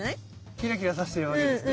キラキラさしてるわけですね？